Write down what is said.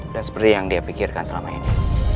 dan seperti yang dia pikirkan selama ini